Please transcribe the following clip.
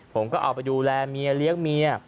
ผมก็เอาไปดูแลเมียเลี้ยงเมีย